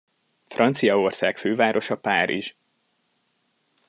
Franciaország fővárosa Párizs.